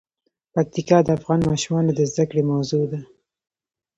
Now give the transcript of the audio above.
پکتیکا د افغان ماشومانو د زده کړې موضوع ده.